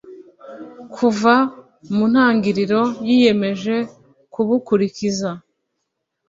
kuva mu ntangiriro niyemeje kubukurikiza